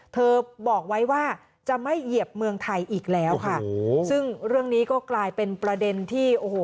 เธอบอกไว้ว่าจะไม่เหยียบเมืองไทยอีกแล้วค่ะซึ่งเรื่องนี้ก็กลายเป็นประเด็นที่โอ้โห